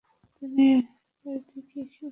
আমি বাড়িতে গিয়ে কী বলব?